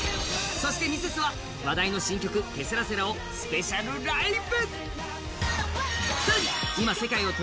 そしてＭｒｓは話題の新曲「ケセラセラ」をスペシャルライブ！